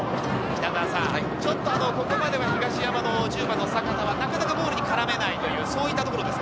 ここまでは東山の１０番の阪田はなかなかボールに絡めないというところですか？